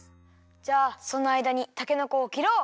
じゃあそのあいだにたけのこをきろう！